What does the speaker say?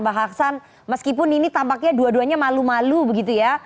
mbak hasan meskipun ini tampaknya dua duanya malu malu begitu ya